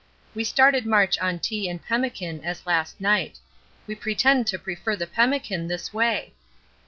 We started march on tea and pemmican as last night we pretend to prefer the pemmican this way.